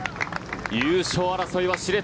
優勝争いは熾烈。